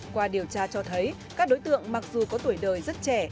qua điều tra cho thấy các đối tượng mặc dù có tuổi đời rất trẻ